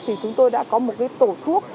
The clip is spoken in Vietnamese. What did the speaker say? thì chúng tôi đã có một tổ thuốc